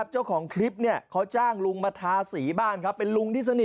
เจ้าของคลิปเขาจ้างลุงมาทาสีบ้านเป็นลุงที่สนิทกันแหละ